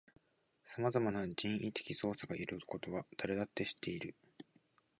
さまざまな人為的操作がいることは誰だって知っている